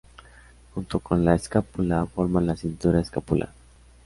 Junto con la escápula forman la cintura escapular.